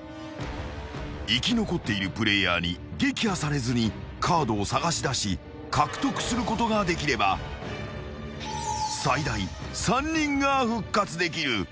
［生き残っているプレイヤーに撃破されずにカードを探し出し獲得することができれば最大３人が復活できる］